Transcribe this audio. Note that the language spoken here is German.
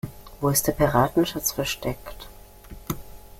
Wo ist der Piratenschatz versteckt?